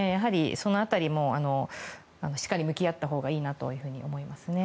その辺りもしっかり向き合ったほうがいいなと思います。